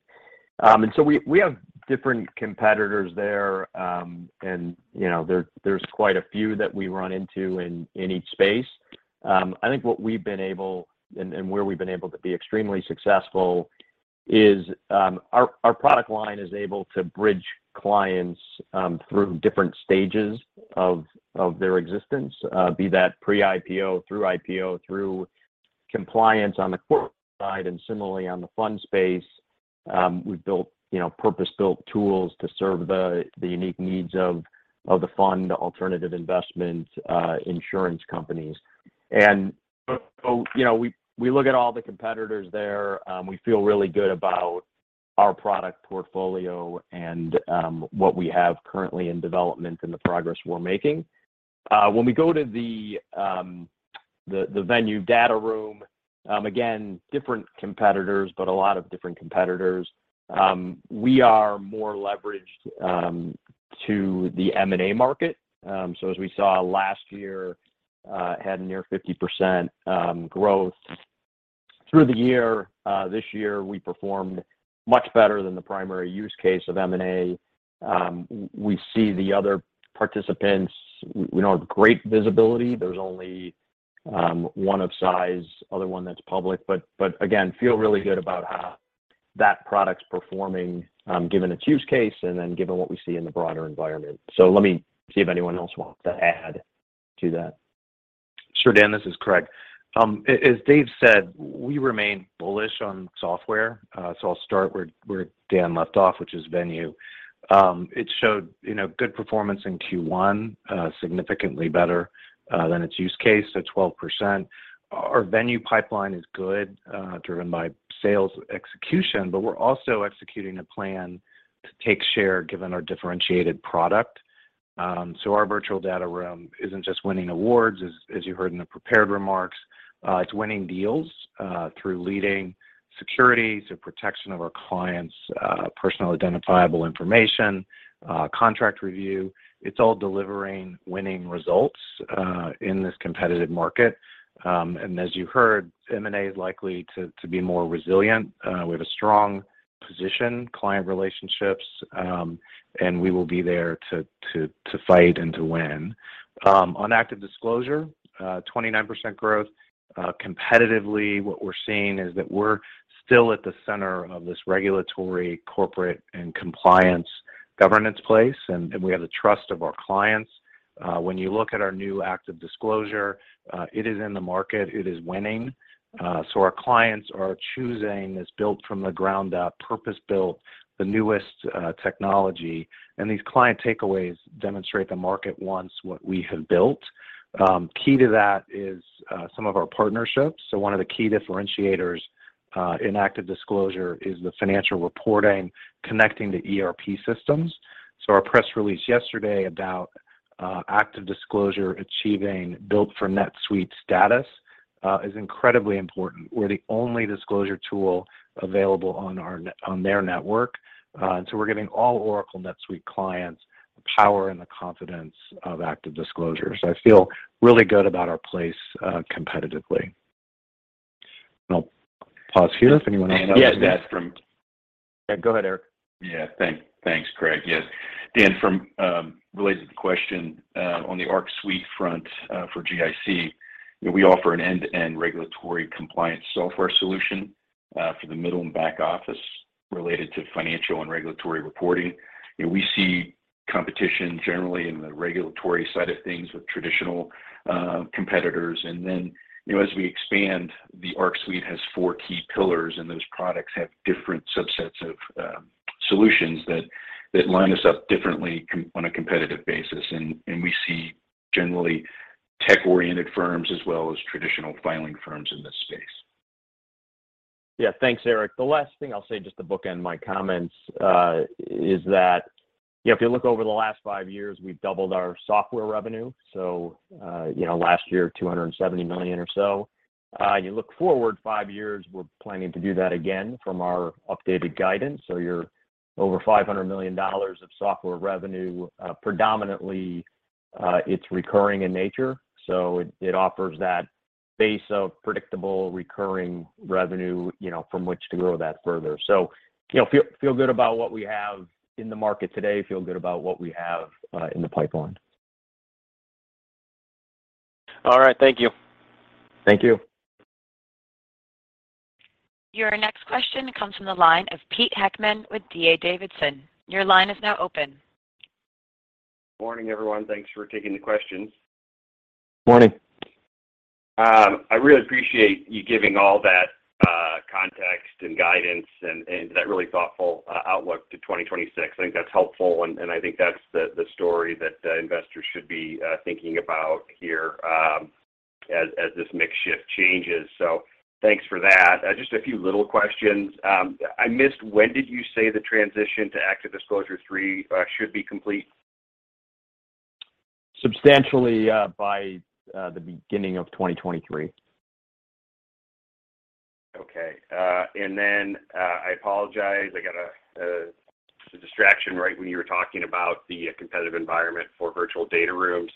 We have different competitors there, and you know, there's quite a few that we run into in each space. I think what we've been able and where we've been able to be extremely successful is our product line is able to bridge clients through different stages of their existence, be that pre-IPO, through IPO, through compliance on the corporate side, and similarly on the fund space. We've built, you know, purpose-built tools to serve the unique needs of the fund alternative investment insurance companies. You know, we look at all the competitors there. We feel really good about our product portfolio and what we have currently in development and the progress we're making. When we go to the Venue data room, again, different competitors, but a lot of different competitors. We are more leveraged to the M&A market. As we saw last year, had near 50% growth. Through the year, this year we performed much better than the primary use case of M&A. We see the other participants. We don't have great visibility. There's only one of size, other one that's public. Again, feel really good about how that product's performing, given its use case and then given what we see in the broader environment. Let me see if anyone else wants to add to that. Sure, Dan, this is Craig. As Dave said, we remain bullish on software. I'll start where Dan left off, which is Venue. It showed, you know, good performance in Q1, significantly better than its use case at 12%. Our Venue pipeline is good, driven by sales execution, but we're also executing a plan to take share given our differentiated product. Our virtual data room isn't just winning awards, as you heard in the prepared remarks. It's winning deals through leading security, so protection of our clients' personally identifiable information, contract review. It's all delivering winning results in this competitive market. As you heard, M&A is likely to be more resilient. We have a strong position client relationships, and we will be there to fight and to win. On ActiveDisclosure, 29% growth. Competitively, what we're seeing is that we're still at the center of this regulatory, corporate, and compliance governance place, and we have the trust of our clients. When you look at our new ActiveDisclosure, it is in the market, it is winning. Our clients are choosing this built from the ground up, purpose-built, the newest technology. These client takeaways demonstrate the market wants what we have built. Key to that is some of our partnerships. One of the key differentiators in ActiveDisclosure is the financial reporting connecting to ERP systems. Our press release yesterday about ActiveDisclosure achieving Built for NetSuite status is incredibly important. We're the only disclosure tool available on their network, and so we're giving all Oracle NetSuite clients the power and the confidence of ActiveDisclosure. I feel really good about our place competitively. I'll pause here if anyone has any- Yeah, Dan. Yeah, go ahead, Eric. Thanks, Craig. Yes. Dan, related to the question on the Arc Suite front for IC, you know, we offer an end-to-end regulatory compliance Software Solution for the middle and back office related to financial and regulatory reporting. You know, we see competition generally in the regulatory side of things with traditional competitors. Then, you know, as we expand, the Arc Suite has four key pillars, and those products have different subsets of solutions that line us up differently on a competitive basis. We see generally tech-oriented firms as well as traditional filing firms in this space. Yeah. Thanks, Eric. The last thing I'll say just to bookend my comments is that, you know, if you look over the last five years, we've doubled our software revenue, so, you know, last year, $270 million or so. You look forward five years, we're planning to do that again from our updated guidance. So you're over $500 million of software revenue. Predominantly, it's recurring in nature, so it offers that base of predictable recurring revenue, you know, from which to grow that further. So, you know, feel good about what we have in the market today, feel good about what we have in the pipeline. All right. Thank you. Thank you. Your next question comes from the line of Pete Heckmann with D.A. Davidson. Your line is now open. Morning, everyone. Thanks for taking the questions. Morning. I really appreciate you giving all that context and guidance and that really thoughtful outlook to 2026. I think that's helpful, and I think that's the story that investors should be thinking about here, as this mix shift changes. Thanks for that. Just a few little questions. I missed when did you say the transition to ActiveDisclosure three should be complete? Substantially by the beginning of 2023. Okay. I apologize, I got a distraction right when you were talking about the competitive environment for virtual data rooms.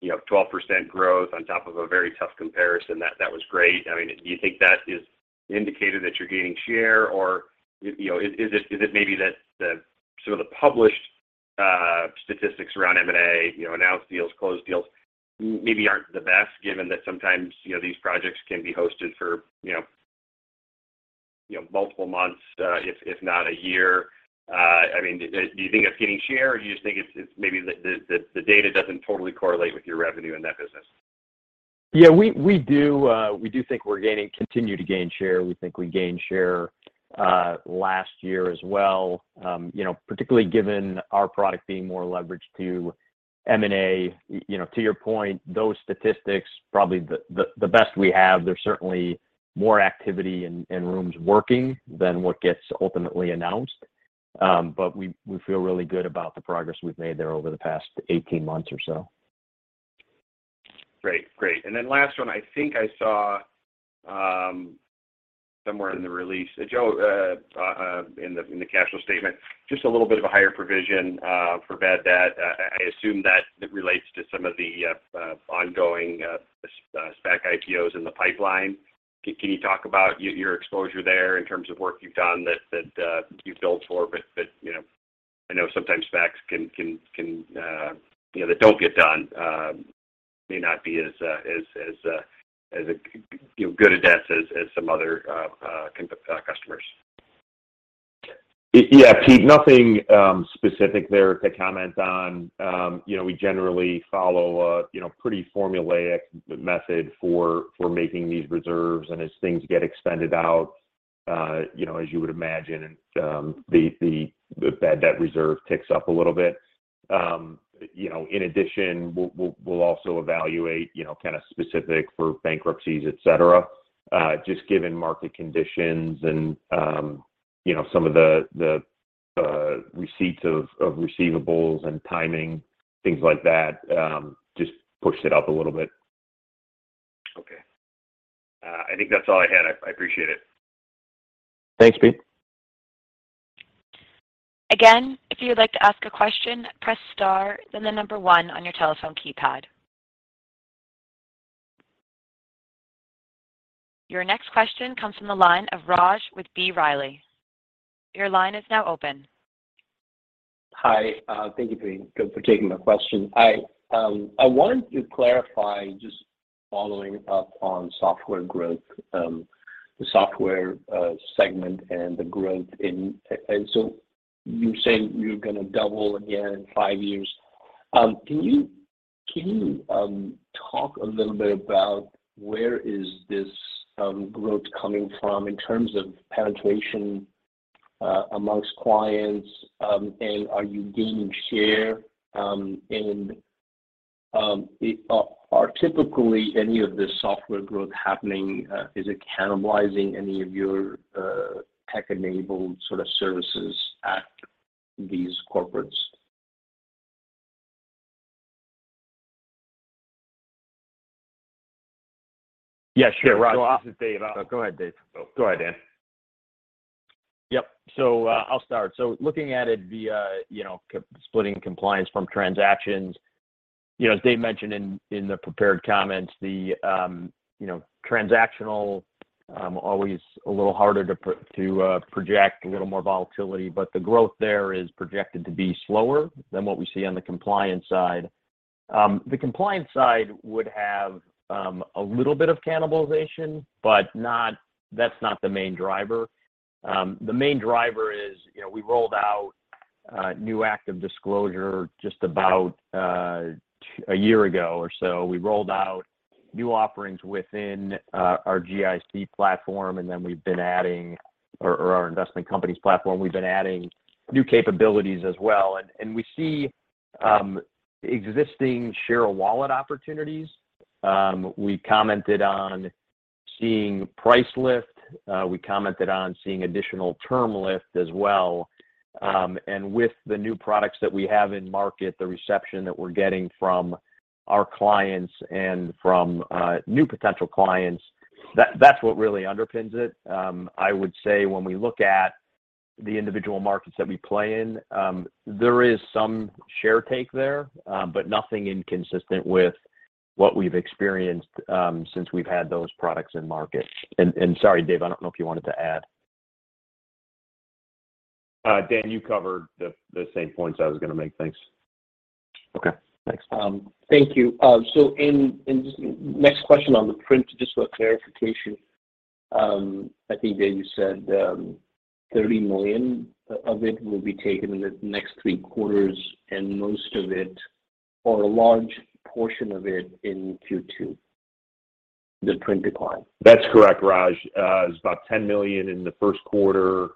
You know, 12% growth on top of a very tough comparison. That was great. I mean, do you think that is indicative that you're gaining share? Or, you know, is it maybe that the sort of published statistics around M&A, you know, announced deals, closed deals, maybe aren't the best given that sometimes, you know, these projects can be hosted for, you know, multiple months, if not a year? I mean, do you think it's gaining share, or do you just think it's maybe the data doesn't totally correlate with your revenue in that business? Yeah. We do think we continue to gain share. We think we gained share last year as well. You know, particularly given our product being more leveraged to M&A. You know, to your point, those statistics probably the best we have. There's certainly more activity and rooms working than what gets ultimately announced. We feel really good about the progress we've made there over the past 18 months or so. Last one. I think I saw somewhere in the release. Dave, in the cash flow statement, just a little bit of a higher provision for bad debt. I assume that relates to some of the ongoing SPAC IPOs in the pipeline. Can you talk about your exposure there in terms of work you've done that you've billed for but, you know, I know sometimes SPACs can, you know, that don't get done may not be as good a debtor as some other customers. Yeah, Pete. Nothing specific there to comment on. You know, we generally follow a pretty formulaic method for making these reserves. As things get extended out, you know, as you would imagine, the bad debt reserve ticks up a little bit. You know, in addition, we'll also evaluate, you know, kind of specifics for bankruptcies, et cetera, just given market conditions and, you know, some of the receipts of receivables and timing, things like that, just pushed it up a little bit. Okay. I think that's all I had. I appreciate it. Thanks, Pete. Again, if you would like to ask a question, press star then the number one on your telephone keypad. Your next question comes from the line of Raj with B. Riley. Your line is now open. Hi. Thank you for taking my question. I wanted to clarify just following up on software growth and so you're saying you're gonna double again in five years. Can you talk a little bit about where this growth is coming from in terms of penetration among clients, and are you gaining share? Are typically any of this software growth happening, is it cannibalizing any of your tech-enabled sort of services at these corporates? Yeah, sure, Raj. This is Dave. Go ahead, Dave. Go ahead, Dan. Yep. I'll start. Looking at it by splitting compliance from transactions, you know, as Dave mentioned in the prepared comments, the transactional always a little harder to project, a little more volatility. But the growth there is projected to be slower than what we see on the compliance side. The compliance side would have a little bit of cannibalization, but not, that's not the main driver. The main driver is, you know, we rolled out new ActiveDisclosure just about a year ago or so. We rolled out new offerings within our IC platform, and then we've been adding or our investment company's platform. We've been adding new capabilities as well. We see existing share of wallet opportunities. We commented on seeing price lift. We commented on seeing additional term lift as well. With the new products that we have in market, the reception that we're getting from our clients and from new potential clients, that's what really underpins it. I would say when we look at the individual markets that we play in, there is some share take there, but nothing inconsistent with what we've experienced, since we've had those products in market. Sorry, Dave, I don't know if you wanted to add. Dan, you covered the same points I was gonna make. Thanks. Okay. Thanks. Thank you. Next question on the print, just for clarification. I think, Dan, you said, $30 million of it will be taken in the next three quarters, and most of it or a large portion of it in Q2, the print decline. That's correct, Raj. It's about $10 million in the first quarter,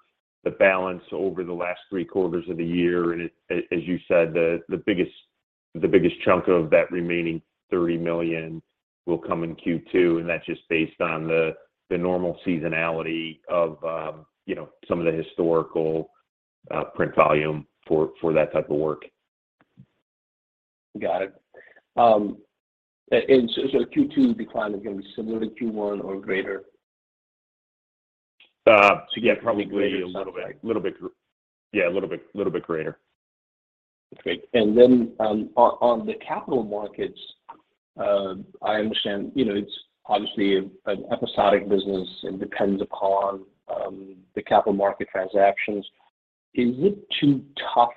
the balance over the last three quarters of the year. As you said, the biggest chunk of that remaining $30 million will come in Q2, and that's just based on the normal seasonality of you know some of the historical print volume for that type of work. Got it. Q2 decline is gonna be similar to Q1 or greater? Yeah, probably a little bit greater. Okay. On the capital markets, I understand, you know, it's obviously an episodic business and depends upon the capital market transactions. Is it too tough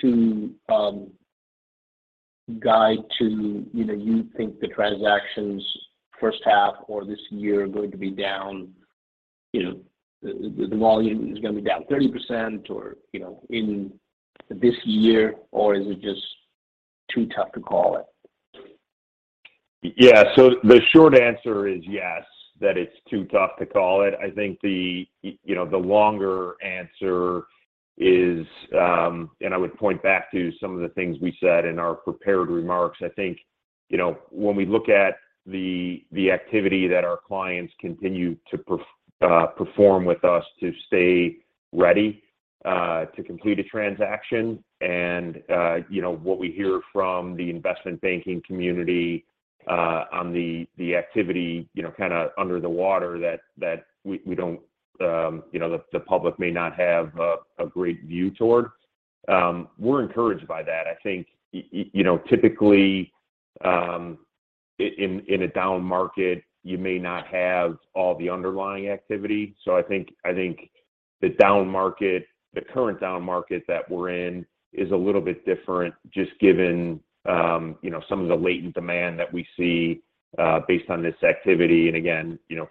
to guide to, you know, you think the transactions first half or this year are going to be down, you know, the volume is gonna be down 30% or, you know, in this year, or is it just too tough to call it? Yeah. The short answer is yes, that it's too tough to call it. I think you know the longer answer is, and I would point back to some of the things we said in our prepared remarks. I think you know when we look at the activity that our clients continue to perform with us to stay ready to complete a transaction and you know what we hear from the investment banking community on the activity you know kinda under the water that we don't you know the public may not have a great view toward, we're encouraged by that. I think you know typically in a down market you may not have all the underlying activity. I think the down market, the current down market that we're in is a little bit different just given, you know, some of the latent demand that we see, based on this activity and again, you know,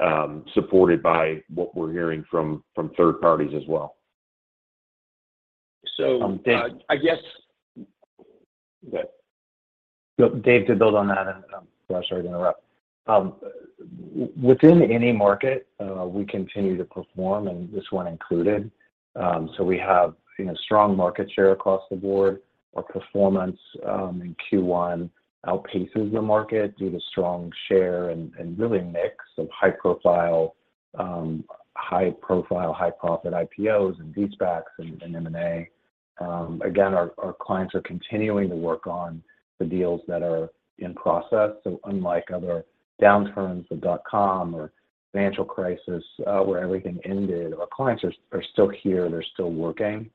kinda, supported by what we're hearing from third parties as well. So- Dave- I guess. Go ahead. Dave, to build on that, and I'm sorry to interrupt. Within any market, we continue to perform, and this one included. We have, you know, strong market share across the board. Our performance in Q1 outpaces the market due to strong share and really mix of high profile, high profit IPOs and de-SPACs and M&A. Again, our clients are continuing to work on the deals that are in process. Unlike other downturns, the dot-com or financial crisis, where everything ended, our clients are still here, they're still working.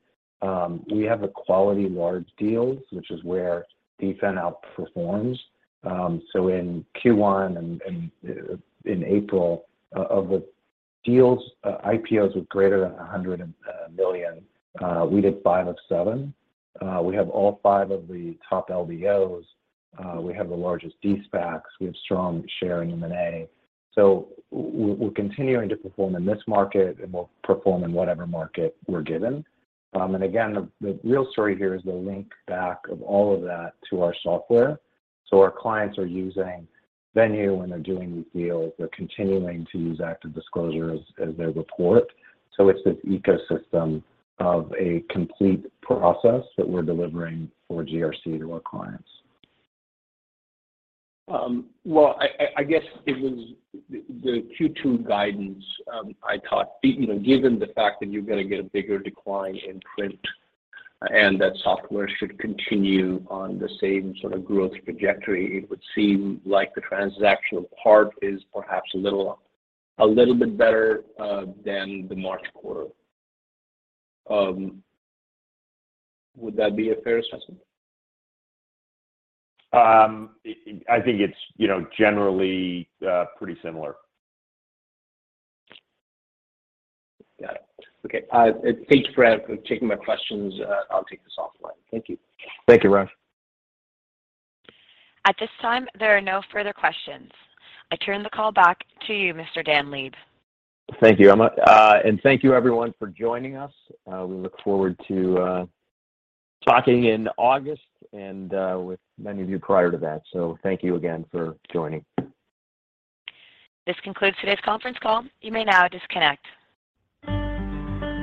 We have a quality large deals, which is where DFIN outperforms. In Q1 and in April, of the deals, IPOs with greater than 100 million, we did five of seven. We have all five of the top LBOs. We have the largest de-SPACs. We have strong share in M&A. We're continuing to perform in this market, and we'll perform in whatever market we're given. Again, the real story here is the link back of all of that to our software. Our clients are using Venue when they're doing these deals. They're continuing to use ActiveDisclosure as their report. It's this ecosystem of a complete process that we're delivering for GRC to our clients. Well, I guess it was the Q2 guidance. I thought, you know, given the fact that you're gonna get a bigger decline in print and that software should continue on the same sort of growth trajectory, it would seem like the transactional part is perhaps a little bit better than the March quarter. Would that be a fair assessment? I think it's, you know, generally, pretty similar. Got it. Okay. Thank you for taking my questions. I'll take this offline. Thank you. Thank you, Raj. At this time, there are no further questions. I turn the call back to you, Mr. Dan Leib. Thank you, Emma. Thank you everyone for joining us. We look forward to talking in August and with many of you prior to that. Thank you again for joining. This concludes today's conference call. You may now disconnect.